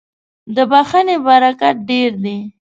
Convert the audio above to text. • د بښنې برکت ډېر دی.